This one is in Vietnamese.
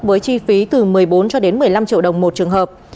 với chi phí từ một mươi bốn cho đến một mươi năm triệu đồng một trường hợp